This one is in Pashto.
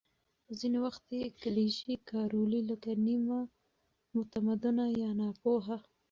ځینې وخت یې کلیشې کارولې، لکه «نیمه متمدنه» یا «ناپوه».